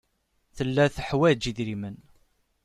Tella teḥwaj idrimen.